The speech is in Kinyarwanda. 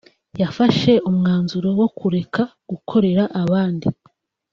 yafashe umwanzuro wo kureka gukorera abandi